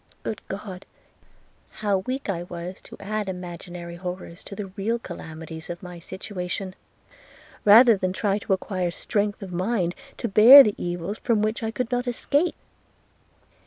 – Good God! How weak I was to add imaginary horrors to the real calamities of my situation; rather than try to acquire strength of mind to bear the evils from which I could not escape!